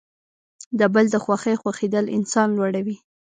د بل د خوښۍ خوښیدل انسان لوړوي.